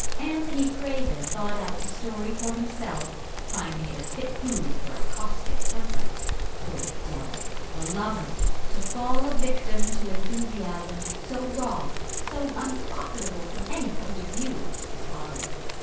Anthony Craven thought out the story for himself, finding it a fit food for a caustic temper. Poor devil the lover! To fall a victim to enthusiasms so raw, so unprofitable from any point of view, was hard.